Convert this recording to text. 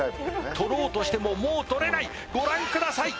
取ろうとしてももう取れないご覧ください